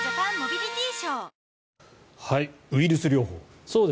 ウイルス療法。